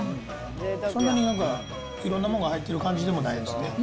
そんなにいろんなもんが入ってる感じでもないですね。